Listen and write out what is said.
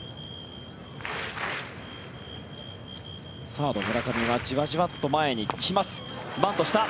サード、村上がじわじわっと前に来ます。